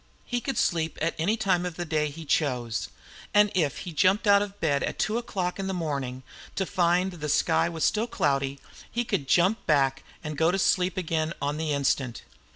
He could sleep at any time of the day he chose; and if he did jump out of bed at two o'clock in the morning, to find that the sky was still cloudy, he could jump back and go to sleep again on the instant.